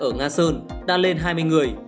ở nga sơn đã lên hai mươi người